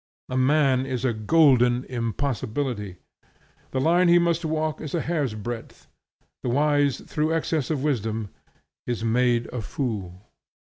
A man is a golden impossibility. The line he must walk is a hair's breadth. The wise through excess of wisdom is made a fool.